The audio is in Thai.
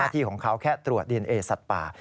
ที่ของเขาแค่ตรวจดีเอนเอสัตว์ป่า